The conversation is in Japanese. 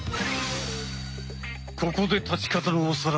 ここで立ち方のおさらい。